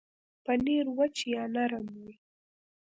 پنېر وچ یا نرم وي.